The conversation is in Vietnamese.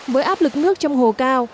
với áp lực nước trong hồ cao